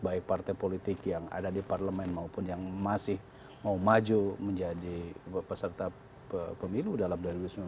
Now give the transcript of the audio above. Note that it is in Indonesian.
baik partai politik yang ada di parlemen maupun yang masih mau maju menjadi peserta pemilu dalam dua ribu sembilan belas